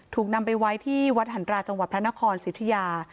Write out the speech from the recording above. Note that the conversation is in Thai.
ถูกนำไปไว้ที่วัดหันตราจังหวัดพระนครสิทธิยา